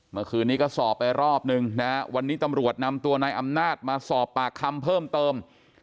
เมื่อคืนนี้ก็สอบไปรอบนึงนะฮะวันนี้ตำรวจนำตัวนายอำนาจมาสอบปากคำเพิ่มเติม